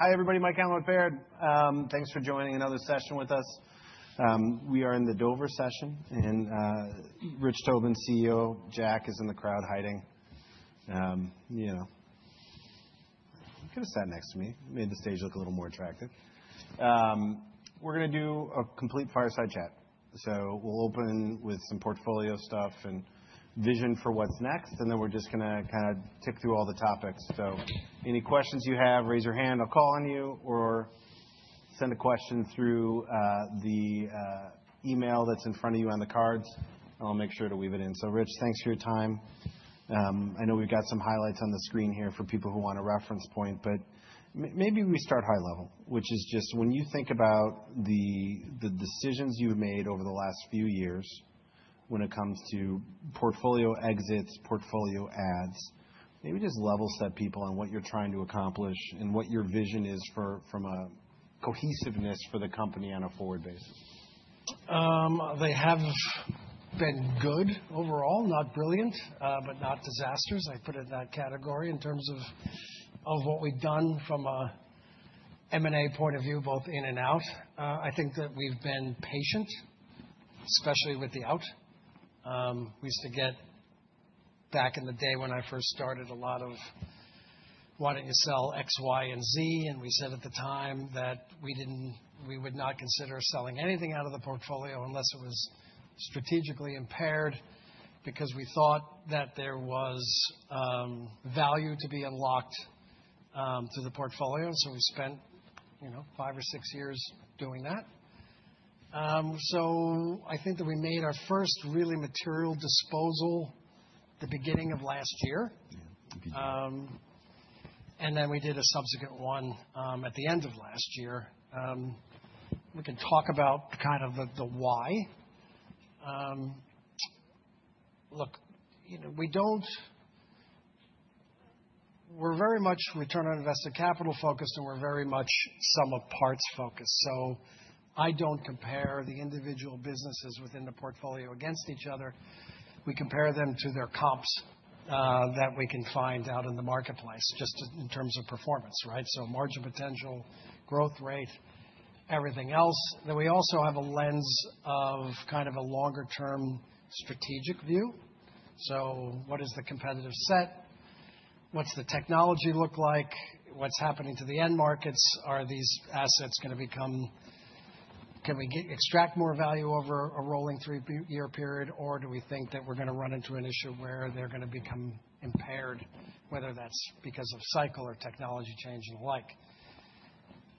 Hi, everybody. Mike Halloran at Baird. Thanks for joining another session with us. We are in the Dover session, and Rich Tobin, CEO, Jack is in the crowd hiding. You know, get a seat next to me. It made the stage look a little more attractive. We're going to do a complete fireside chat, so we'll open with some portfolio stuff and vision for what's next, and then we're just going to kind of tick through all the topics, so any questions you have, raise your hand. I'll call on you or send a question through the email that's in front of you on the cards, and I'll make sure to weave it in. So Rich, thanks for your time. I know we've got some highlights on the screen here for people who want a reference point. But maybe we start high level, which is just when you think about the decisions you've made over the last few years when it comes to portfolio exits, portfolio adds. Maybe just level set people on what you're trying to accomplish and what your vision is from a cohesiveness for the company on a forward basis. They have been good overall, not brilliant, but not disasters. I put it in that category in terms of what we've done from an M&A point of view, both in and out. I think that we've been patient, especially with the out. We used to get, back in the day when I first started, a lot of wanting to sell X, Y, and Z. And we said at the time that we would not consider selling anything out of the portfolio unless it was strategically impaired because we thought that there was value to be unlocked to the portfolio. And so we spent five or six years doing that. So I think that we made our first really material disposal the beginning of last year. And then we did a subsequent one at the end of last year. We can talk about kind of the why. Look, we're very much return on invested capital focused, and we're very much sum of parts focused. So I don't compare the individual businesses within the portfolio against each other. We compare them to their comps that we can find out in the marketplace just in terms of performance, right? So margin potential, growth rate, everything else. Then we also have a lens of kind of a longer-term strategic view. So what is the competitive set? What's the technology look like? What's happening to the end markets? Can we extract more value over a rolling three-year period? Or do we think that we're going to run into an issue where they're going to become impaired, whether that's because of cycle or technology change and the like?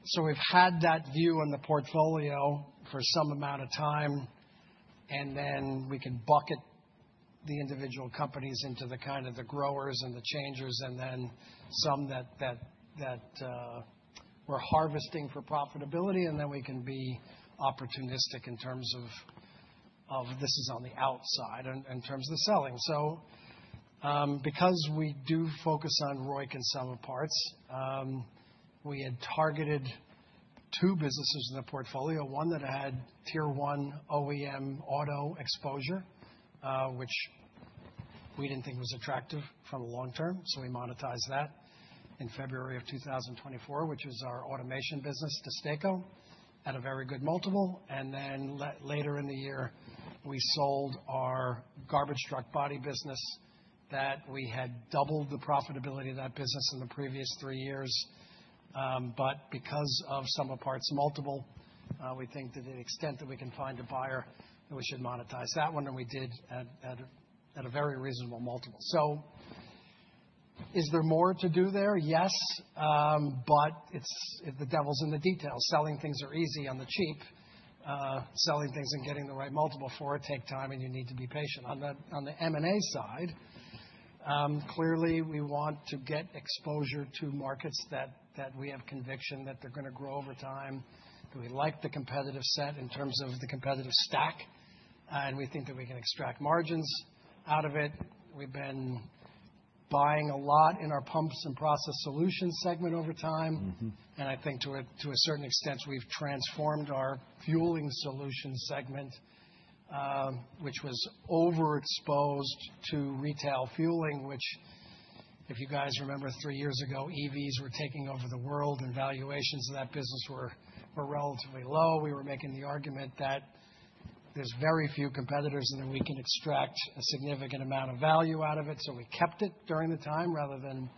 So we've had that view on the portfolio for some amount of time. And then we can bucket the individual companies into the kind of the growers and the changers and then some that we're harvesting for profitability. And then we can be opportunistic in terms of this is on the outside in terms of the selling. So because we do focus on ROIC in some parts, we had targeted two businesses in the portfolio, one that had Tier 1 OEM auto exposure, which we didn't think was attractive from the long term. So we monetized that in February of 2024, which was our automation business, DESTACO at a very good multiple. And then later in the year, we sold our garbage truck body business that we had doubled the profitability of that business in the previous three years. But because of some of the parts multiple, we think to the extent that we can find a buyer, we should monetize that one. And we did at a very reasonable multiple. So is there more to do there? Yes. But the devil's in the details. Selling things are easy on the cheap. Selling things and getting the right multiple for it takes time, and you need to be patient. On the M&A side, clearly, we want to get exposure to markets that we have conviction that they're going to grow over time. We like the competitive set in terms of the competitive stack. And we think that we can extract margins out of it. We've been buying a lot in our Pumps & Process Solutions segment over time. And I think to a certain extent, we've transformed our Fueling Solutions segment, which was overexposed to retail fueling, which if you guys remember three years ago, EVs were taking over the world and valuations of that business were relatively low. We were making the argument that there's very few competitors and that we can extract a significant amount of value out of it. So we kept it during the time rather than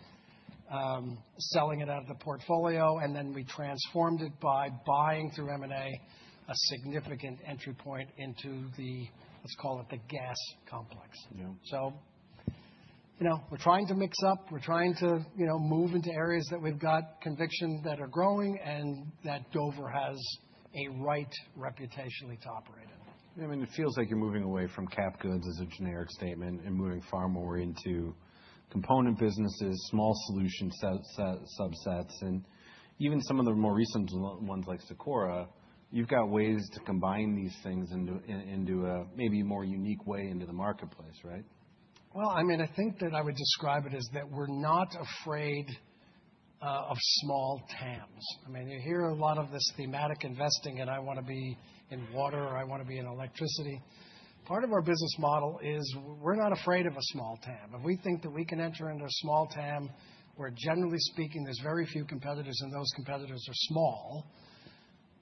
selling it out of the portfolio. And then we transformed it by buying through M&A a significant entry point into the, let's call it the gas complex. So we're trying to mix up. We're trying to move into areas that we've got conviction that are growing and that Dover has a right reputationally to operate in. I mean, it feels like you're moving away from cap goods as a generic statement and moving far more into component businesses, small solution subsets, and even some of the more recent ones like SIKORA. You've got ways to combine these things into a maybe more unique way into the marketplace, right? I mean, I think that I would describe it as that we're not afraid of small TAMs. I mean, you hear a lot of this thematic investing, and I want to be in water, or I want to be in electricity. Part of our business model is we're not afraid of a small TAM. If we think that we can enter into a small TAM, where generally speaking, there's very few competitors and those competitors are small,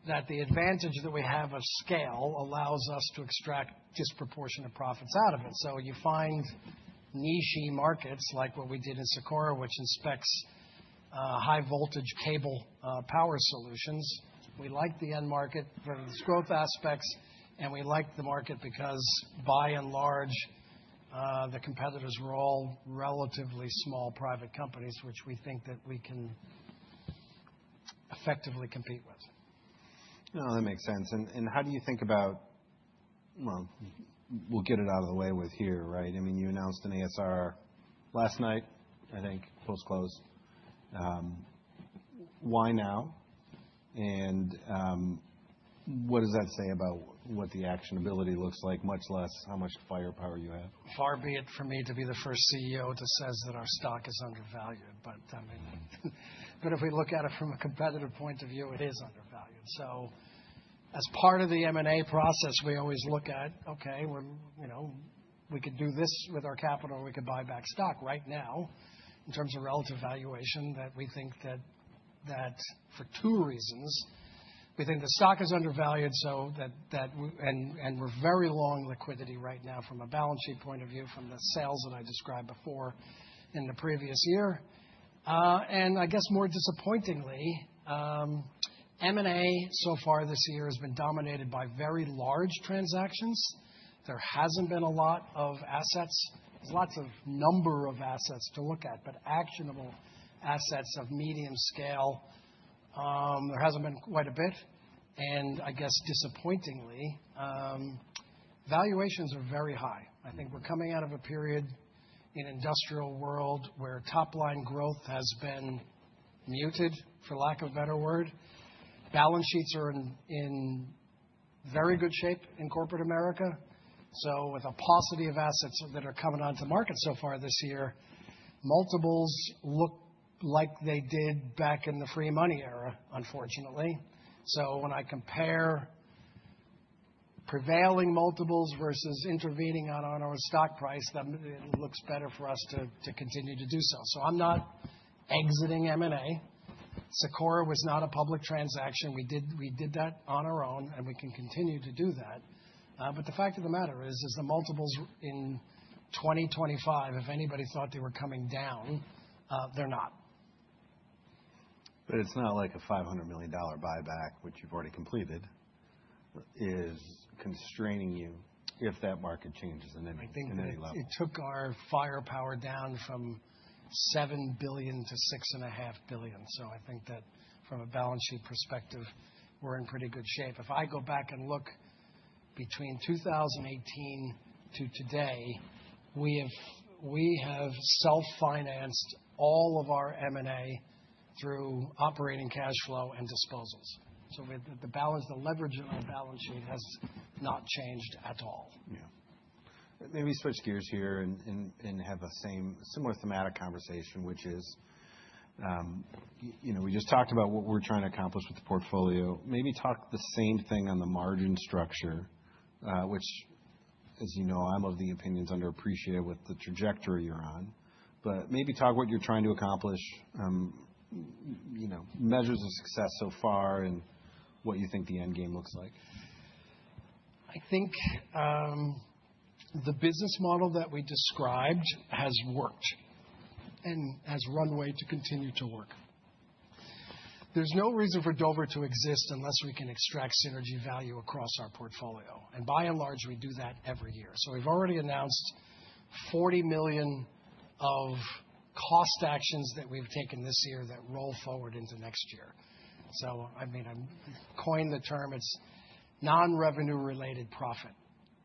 that the advantage that we have of scale allows us to extract disproportionate profits out of it. You find niche markets like what we did in SIKORA, which inspects high voltage cable power solutions. We like the end market for its growth aspects, and we like the market because by and large, the competitors were all relatively small private companies, which we think that we can effectively compete with. No, that makes sense. And how do you think about, well, we'll get it out of the way right here, right? I mean, you announced an ASR last night, I think, post-close. Why now? And what does that say about what the actionability looks like, much less how much firepower you have? Far be it for me to be the first CEO that says that our stock is undervalued, but if we look at it from a competitive point of view, it is undervalued, so as part of the M&A process, we always look at, OK, we could do this with our capital. We could buy back stock right now in terms of relative valuation that we think that for two reasons. We think the stock is undervalued and we're very long liquidity right now from a balance sheet point of view from the sales that I described before in the previous year, and I guess more disappointingly, M&A so far this year has been dominated by very large transactions. There hasn't been a lot of assets. There's lots of number of assets to look at, but actionable assets of medium scale, there hasn't been quite a bit. And I guess disappointingly, valuations are very high. I think we're coming out of a period in the industrial world where top line growth has been muted, for lack of a better word. Balance sheets are in very good shape in corporate America. So with a paucity of assets that are coming onto market so far this year, multiples look like they did back in the free money era, unfortunately. So when I compare prevailing multiples versus intervening on our stock price, it looks better for us to continue to do so. So I'm not exiting M&A. SIKORA was not a public transaction. We did that on our own, and we can continue to do that. But the fact of the matter is, the multiples in 2025, if anybody thought they were coming down, they're not. But it's not like a $500 million buyback, which you've already completed, is constraining you if that market changes in any level. I think it took our firepower down from $7 billion to $6.5 billion, so I think that from a balance sheet perspective, we're in pretty good shape. If I go back and look between 2018 to today, we have self-financed all of our M&A through operating cash flow and disposals, so the leverage in our balance sheet has not changed at all. Yeah. Maybe switch gears here and have a similar thematic conversation, which is we just talked about what we're trying to accomplish with the portfolio. Maybe talk the same thing on the margin structure, which, as you know, I'm of the opinion it's underappreciated with the trajectory you're on. But maybe talk what you're trying to accomplish, measures of success so far, and what you think the end game looks like. I think the business model that we described has worked and has runway to continue to work. There's no reason for Dover to exist unless we can extract synergy value across our portfolio. And by and large, we do that every year. So we've already announced $40 million of cost actions that we've taken this year that roll forward into next year. So I mean, I coined the term, it's non-revenue related profit.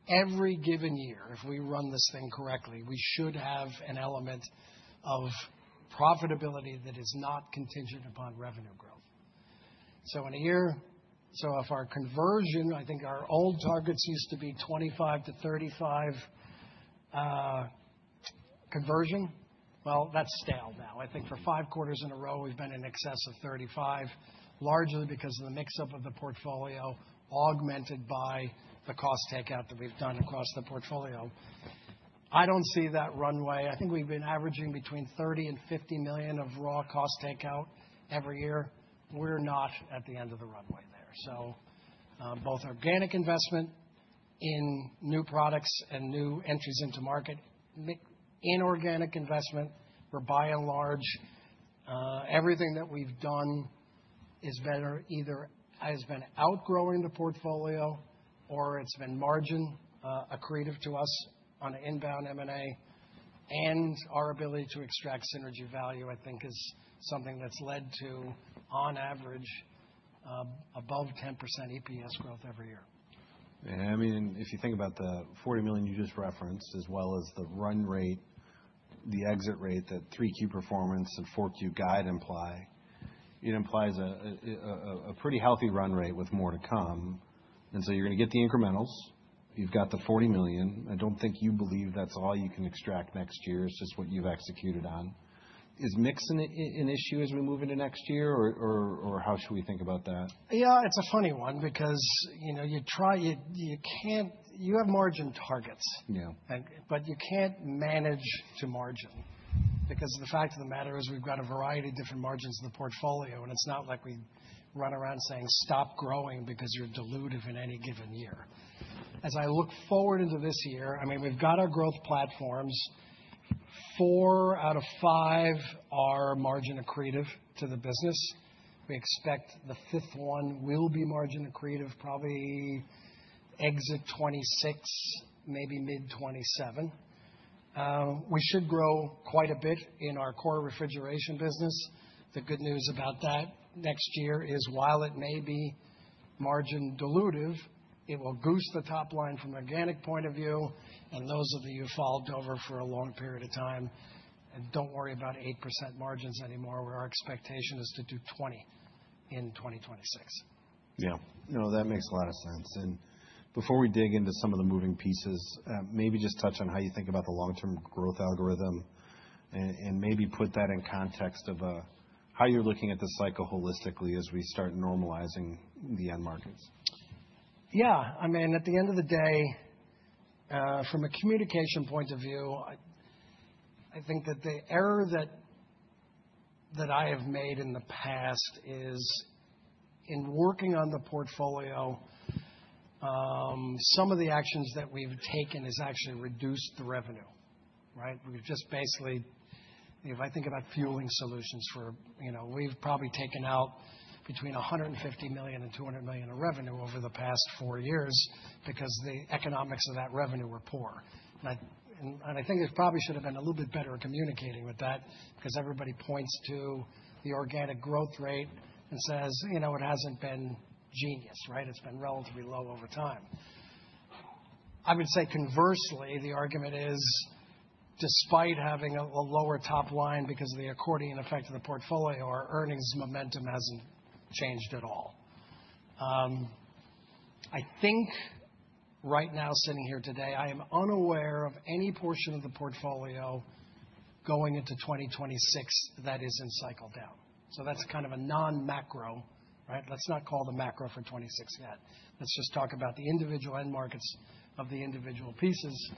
Every given year, if we run this thing correctly, we should have an element of profitability that is not contingent upon revenue growth. So in a year, so if our conversion, I think our old targets used to be 25 to 35 conversion. Well, that's stale now. I think for five quarters in a row, we've been in excess of 35, largely because of the mix-up of the portfolio augmented by the cost takeout that we've done across the portfolio. I don't see that runway. I think we've been averaging between $30 and $50 million of raw cost takeout every year. We're not at the end of the runway there, so both organic investment in new products and new entries into market, inorganic investment, we're by and large, everything that we've done has been either outgrowing the portfolio or it's been margin accretive to us on an inbound M&A, and our ability to extract synergy value, I think, is something that's led to, on average, above 10% EPS growth every year. I mean, if you think about the $40 million you just referenced, as well as the run rate, the exit rate that 3Q performance and 4Q guide imply, it implies a pretty healthy run rate with more to come and so you're going to get the incrementals. You've got the $40 million. I don't think you believe that's all you can extract next year. It's just what you've executed on. Is mixing an issue as we move into next year, or how should we think about that? Yeah, it's a funny one because you have margin targets, but you can't manage to margin. Because the fact of the matter is we've got a variety of different margins in the portfolio. And it's not like we run around saying, stop growing because you're dilutive in any given year. As I look forward into this year, I mean, we've got our growth platforms. Four out of five are margin accretive to the business. We expect the fifth one will be margin accretive, probably exit 2026, maybe mid 2027. We should grow quite a bit in our core refrigeration business. The good news about that next year is while it may be margin dilutive, it will goose the top line from an organic point of view. And those of you who followed Dover for a long period of time, don't worry about 8% margins anymore. Our expectation is to do 20 in 2026. Yeah. No, that makes a lot of sense. And before we dig into some of the moving pieces, maybe just touch on how you think about the long-term growth algorithm and maybe put that in context of how you're looking at the cycle holistically as we start normalizing the end markets. Yeah. I mean, at the end of the day, from a communication point of view, I think that the error that I have made in the past is in working on the portfolio, some of the actions that we've taken has actually reduced the revenue. We've just basically, if I think about fueling solutions for, we've probably taken out between $150 million and $200 million of revenue over the past four years because the economics of that revenue were poor. And I think there probably should have been a little bit better communicating with that because everybody points to the organic growth rate and says, you know, it hasn't been genius, right? It's been relatively low over time. I would say conversely, the argument is despite having a lower top line because of the accordion effect of the portfolio, our earnings momentum hasn't changed at all. I think right now, sitting here today, I am unaware of any portion of the portfolio going into 2026 that isn't cycled down. So that's kind of a non-macro. Let's not call the macro for 2026 yet. Let's just talk about the individual end markets of the individual pieces.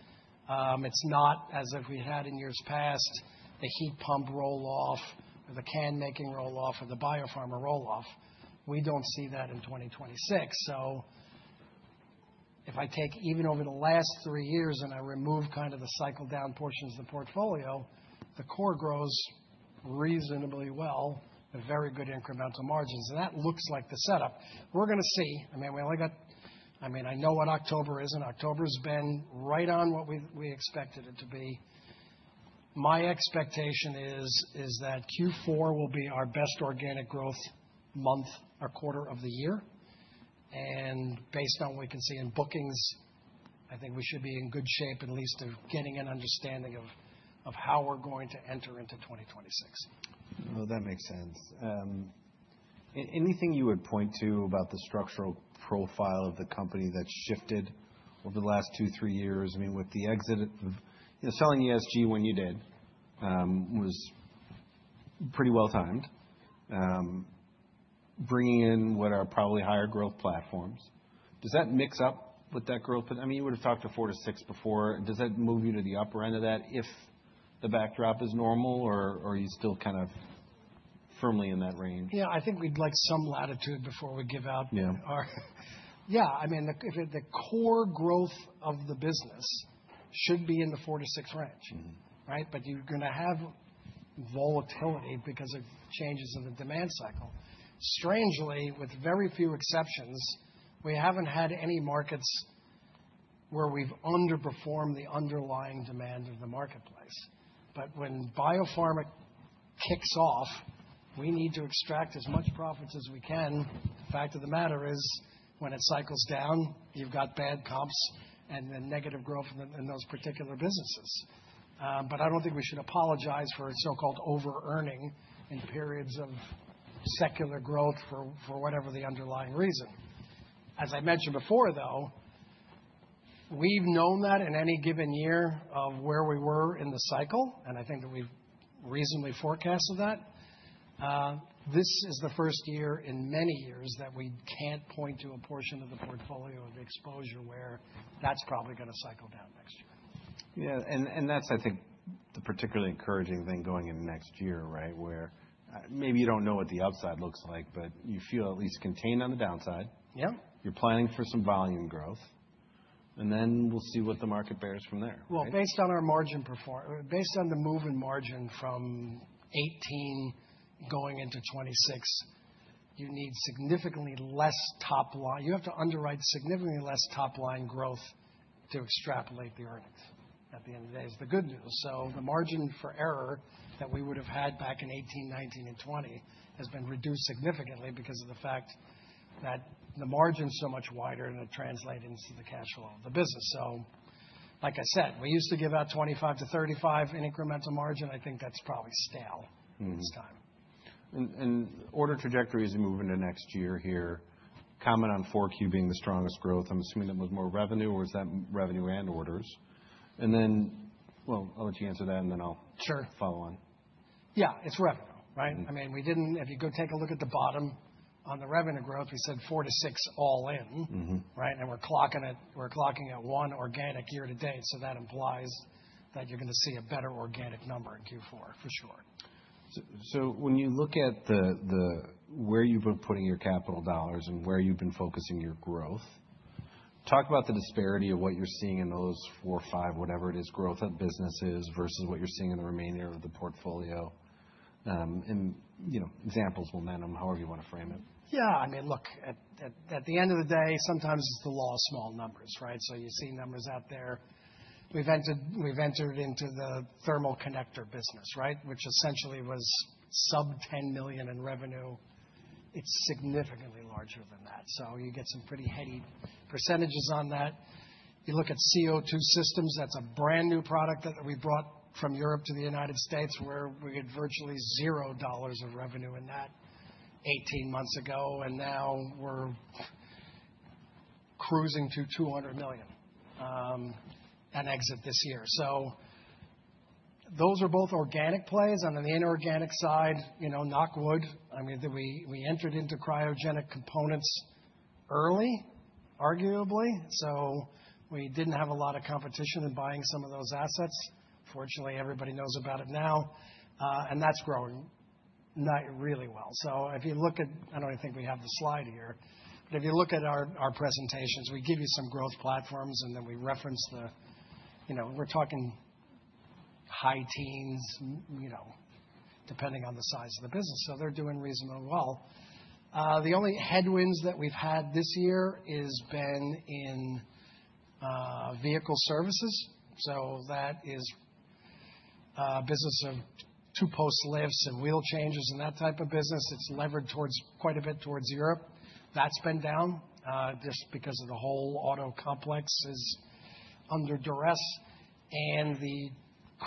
It's not as if we had in years past the heat pump roll off, the can making roll off, or the biopharma roll off. We don't see that in 2026. So if I take even over the last three years and I remove kind of the cycled down portions of the portfolio, the core grows reasonably well with very good incremental margins. And that looks like the setup. We're going to see. I mean, I know what October is, and October has been right on what we expected it to be. My expectation is that Q4 will be our best organic growth month or quarter of the year, and based on what we can see in bookings, I think we should be in good shape at least of getting an understanding of how we're going to enter into 2026. That makes sense. Anything you would point to about the structural profile of the company that's shifted over the last two, three years? I mean, with the exit of selling ESG when you did was pretty well timed. Bringing in what are probably higher growth platforms. Does that mix up with that growth? I mean, you would have talked to four to six before. Does that move you to the upper end of that if the backdrop is normal, or are you still kind of firmly in that range? Yeah, I think we'd like some latitude before we give out our yeah. I mean, the core growth of the business should be in the four to six range. But you're going to have volatility because of changes in the demand cycle. Strangely, with very few exceptions, we haven't had any markets where we've underperformed the underlying demand of the marketplace. But when biopharma kicks off, we need to extract as much profits as we can. The fact of the matter is when it cycles down, you've got bad comps and then negative growth in those particular businesses. But I don't think we should apologize for so-called over-earning in periods of secular growth for whatever the underlying reason. As I mentioned before, though, we've known that in any given year of where we were in the cycle, and I think that we've reasonably forecasted that. This is the first year in many years that we can't point to a portion of the portfolio of exposure where that's probably going to cycle down next year. Yeah, and that's, I think, the particularly encouraging thing going into next year, right, where maybe you don't know what the upside looks like, but you feel at least contained on the downside. You're planning for some volume growth, and then we'll see what the market bears from there. Based on our margin performance, based on the move in margin from 2018 going into 2026, you need significantly less top line. You have to underwrite significantly less top line growth to extrapolate the earnings at the end of the day, is the good news. The margin for error that we would have had back in 2018, 2019, and 2020 has been reduced significantly because of the fact that the margin is so much wider and it translates into the cash flow of the business. Like I said, we used to give out $25-$35 in incremental margin. I think that's probably stale this time. And order trajectory as we move into next year here, comment on Q4 being the strongest growth. I'm assuming that was more revenue, or is that revenue and orders? And then, well, I'll let you answer that, and then I'll follow on. Sure. Yeah, it's revenue. I mean, if you go take a look at the bottom on the revenue growth, we said 4-6 all in, and we're clocking at one organic year-to-date, so that implies that you're going to see a better organic number in Q4 for sure. So, when you look at where you've been putting your capital dollars and where you've been focusing your growth, talk about the disparity of what you're seeing in those four, five, whatever it is, growth of businesses versus what you're seeing in the remainder of the portfolio. And examples, momentum, however you want to frame it. Yeah. I mean, look, at the end of the day, sometimes it's the law of small numbers. So you see numbers out there. We've entered into the thermal connector business, which essentially was sub $10 million in revenue. It's significantly larger than that. So you get some pretty heady percentages on that. You look at CO2 systems. That's a brand new product that we brought from Europe to the United States, where we had virtually $0 of revenue in that 18 months ago. And now we're cruising to $200 million at exit this year. So those are both organic plays. On the inorganic side, knock wood. I mean, we entered into cryogenic components early, arguably. So we didn't have a lot of competition in buying some of those assets. Fortunately, everybody knows about it now. And that's growing really well. So if you look at, I don't even think we have the slide here. But if you look at our presentations, we give you some growth platforms, and then we reference the. We're talking high teens, depending on the size of the business. So they're doing reasonably well. The only headwinds that we've had this year has been in Vehicle Services. So that is a business of two-post lifts and wheel changes and that type of business. It's levered quite a bit towards Europe. That's been down just because of the whole auto complex is under duress. And the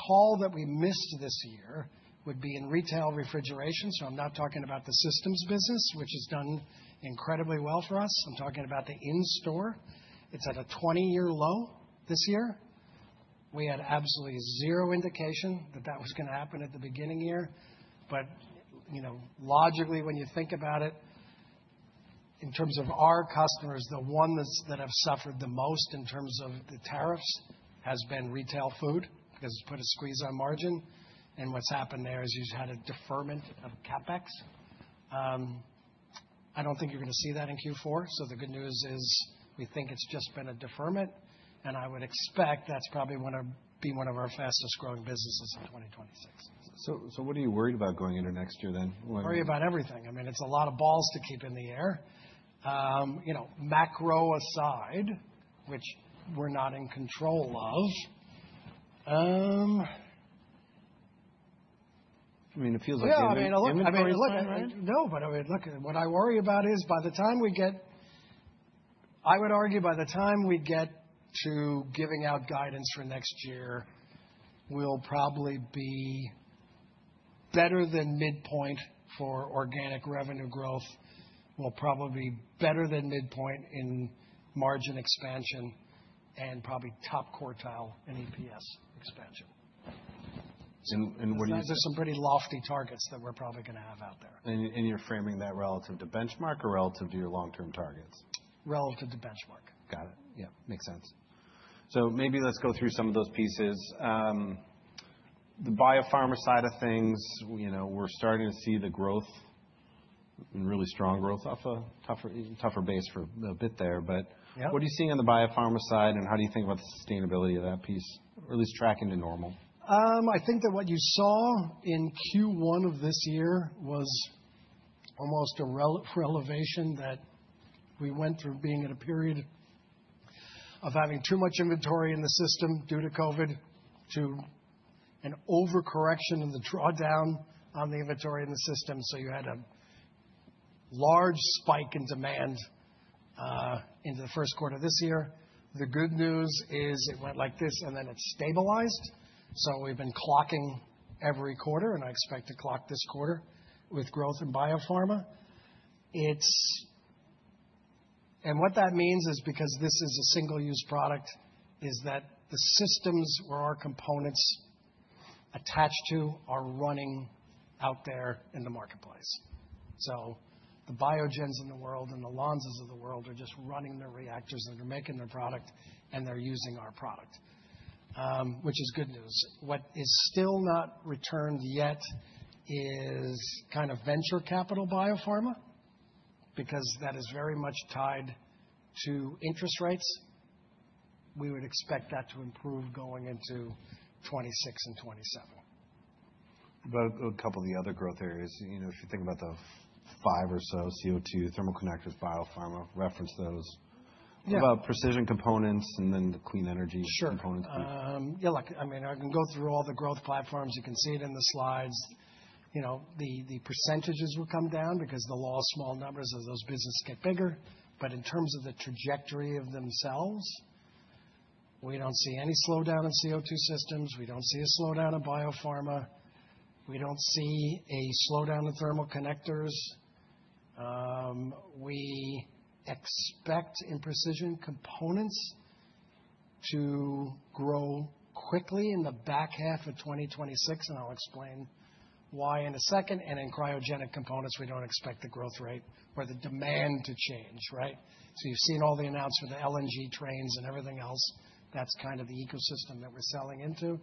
call that we missed this year would be in retail refrigeration. So I'm not talking about the systems business, which has done incredibly well for us. I'm talking about the in-store. It's at a 20-year low this year. We had absolutely zero indication that that was going to happen at the beginning of the year. But logically, when you think about it, in terms of our customers, the ones that have suffered the most in terms of the tariffs has been retail fuel because it's put a squeeze on margin. And what's happened there is you've had a deferment of CapEx. I don't think you're going to see that in Q4. So the good news is we think it's just been a deferment. And I would expect that's probably going to be one of our fastest growing businesses in 2026. So what are you worried about going into next year then? Worry about everything. I mean, it's a lot of balls to keep in the air. Macro aside, which we're not in control of. I mean, it feels like the. Yeah. I mean, look, what I worry about is, I would argue by the time we get to giving out guidance for next year, we'll probably be better than midpoint for organic revenue growth. We'll probably be better than midpoint in margin expansion and probably top quartile in EPS expansion. What do you? There's some pretty lofty targets that we're probably going to have out there. You're framing that relative to benchmark or relative to your long-term targets? Relative to benchmark. Got it. Yeah. Makes sense. So maybe let's go through some of those pieces. The biopharma side of things, we're starting to see the growth and really strong growth off a tougher base for a bit there. But what are you seeing on the biopharma side? And how do you think about the sustainability of that piece, or at least tracking to normal? I think that what you saw in Q1 of this year was almost a revelation that we went through being in a period of having too much inventory in the system due to COVID to an overcorrection of the drawdown on the inventory in the system, so you had a large spike in demand into the first quarter of this year. The good news is it went like this, and then it stabilized, so we've been clocking every quarter, and I expect to clock this quarter with growth in biopharma. And what that means is because this is a single-use product, is that the systems where our components attach to are running out there in the marketplace, so the Biogens in the world and the large ones of the world are just running their reactors and they're making their product, and they're using our product, which is good news. What is still not returned yet is kind of venture capital biopharma because that is very much tied to interest rates. We would expect that to improve going into 2026 and 2027. About a couple of the other growth areas, if you think about the five or so, CO2, thermal connectors, biopharma, reference those. What about Precision Components and then the clean energy components? Sure. Yeah. Look, I mean, I can go through all the growth platforms. You can see it in the slides. The percentages will come down because the law of small numbers of those businesses get bigger, but in terms of the trajectory of themselves, we don't see any slowdown in CO2 systems. We don't see a slowdown in biopharma. We don't see a slowdown in thermal connectors. We expect Precision Components to grow quickly in the back half of 2026, and I'll explain why in a second, and in cryogenic components, we don't expect the growth rate or the demand to change, so you've seen all the announcements, the LNG trains and everything else. That's kind of the ecosystem that we're selling into.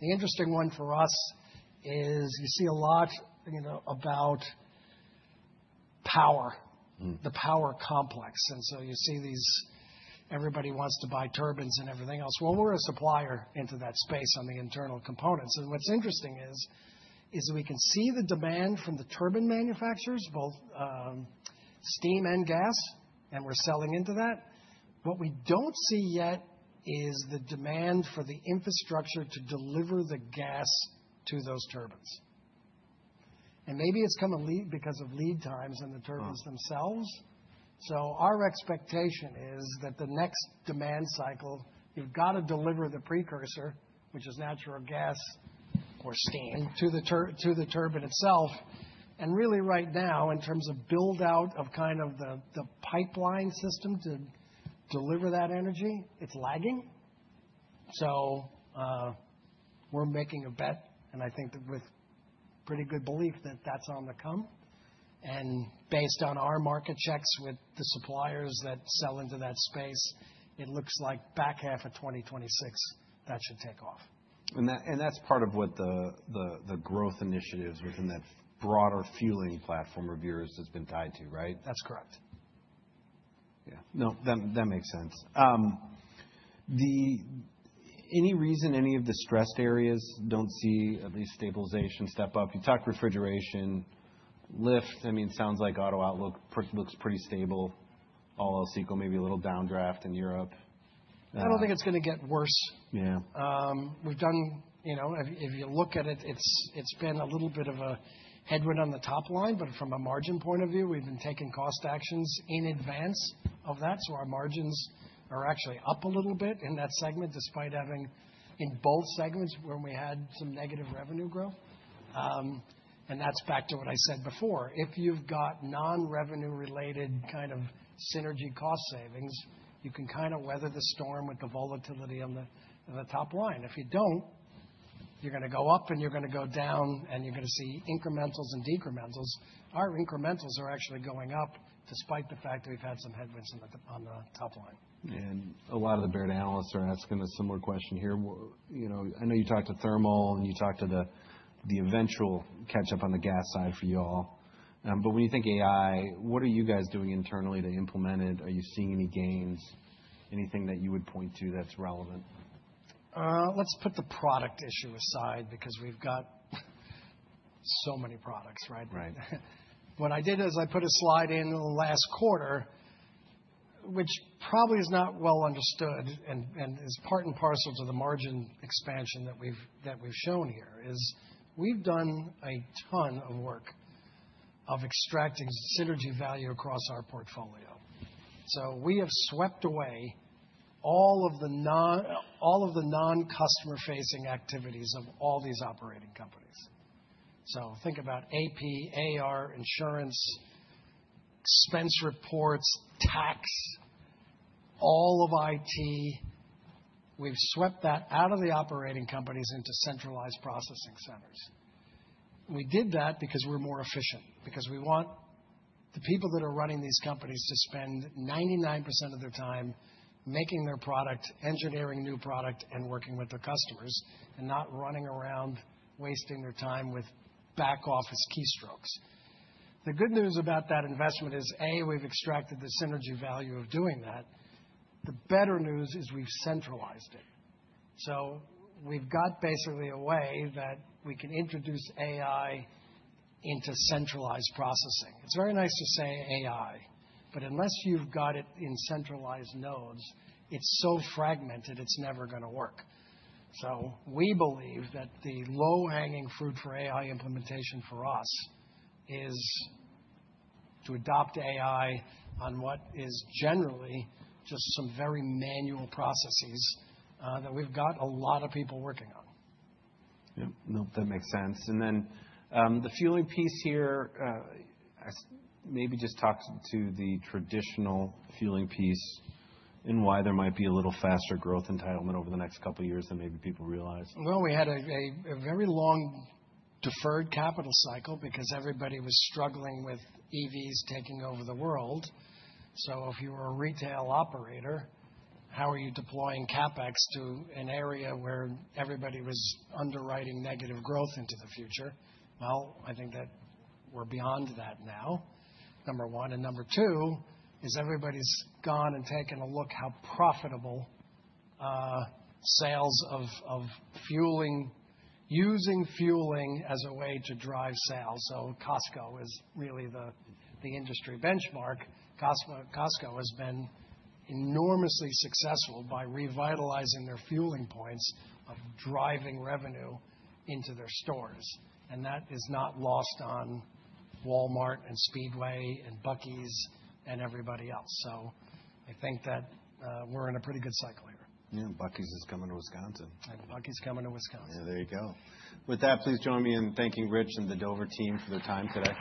The interesting one for us is you see a lot about power, the power complex. And so you see these, everybody wants to buy turbines and everything else, well, we're a supplier into that space on the internal components, and what's interesting is we can see the demand from the turbine manufacturers, both steam and gas, and we're selling into that. What we don't see yet is the demand for the infrastructure to deliver the gas to those turbines, and maybe it's coming because of lead times on the turbines themselves, so our expectation is that the next demand cycle, you've got to deliver the precursor, which is natural gas or steam, to the turbine itself, and really right now, in terms of build-out of kind of the pipeline system to deliver that energy, it's lagging, so we're making a bet, and I think with pretty good belief that that's on the come. Based on our market checks with the suppliers that sell into that space, it looks like back half of 2026, that should take off. That's part of what the growth initiatives within that broader fueling platform of yours has been tied to, right? That's correct. Yeah. No, that makes sense. Any reason any of the stressed areas don't see at least stabilization step up? You talk refrigeration, lift. I mean, it sounds like auto outlook looks pretty stable. All else equal, maybe a little downdraft in Europe. I don't think it's going to get worse. We've done, if you look at it, it's been a little bit of a headwind on the top line. But from a margin point of view, we've been taking cost actions in advance of that. So our margins are actually up a little bit in that segment despite having in both segments when we had some negative revenue growth. And that's back to what I said before. If you've got non-revenue-related kind of synergy cost savings, you can kind of weather the storm with the volatility on the top line. If you don't, you're going to go up and you're going to go down and you're going to see incrementals and decrementals. Our incrementals are actually going up despite the fact that we've had some headwinds on the top line. A lot of the bear analysts are asking a similar question here. I know you talked to Thermal and you talked to the eventual catch-up on the gas side for you all. But when you think AI, what are you guys doing internally to implement it? Are you seeing any gains, anything that you would point to that's relevant? Let's put the product issue aside because we've got so many products, right? Right. What I did is I put a slide in the last quarter, which probably is not well understood and is part and parcel to the margin expansion that we've shown here, is we've done a ton of work of extracting synergy value across our portfolio, so we have swept away all of the non-customer-facing activities of all these operating companies, so think about AP, AR, insurance, expense reports, tax, all of IT. We've swept that out of the operating companies into centralized processing centers. We did that because we're more efficient, because we want the people that are running these companies to spend 99% of their time making their product, engineering new product, and working with their customers and not running around wasting their time with back office keystrokes. The good news about that investment is, A, we've extracted the synergy value of doing that. The better news is we've centralized it. So we've got basically a way that we can introduce AI into centralized processing. It's very nice to say AI, but unless you've got it in centralized nodes, it's so fragmented, it's never going to work. So we believe that the low-hanging fruit for AI implementation for us is to adopt AI on what is generally just some very manual processes that we've got a lot of people working on. Yep. Nope. That makes sense. And then the fueling piece here, maybe just talk to the traditional fueling piece and why there might be a little faster growth entitlement over the next couple of years than maybe people realize. We had a very long deferred capital cycle because everybody was struggling with EVs taking over the world. If you were a retail operator, how are you deploying CapEx to an area where everybody was underwriting negative growth into the future? I think that we're beyond that now, number one. Number two is everybody's gone and taken a look at how profitable sales of fueling, using fueling as a way to drive sales. Costco is really the industry benchmark. Costco has been enormously successful by revitalizing their fueling points of driving revenue into their stores. That is not lost on Walmart and Speedway and Buc-ee's and everybody else. I think that we're in a pretty good cycle here. Yeah. Buc-ee's is coming to Wisconsin. Buc-ee's coming to Wisconsin. Yeah. There you go. With that, please join me in thanking Rich and the Dover team for their time today.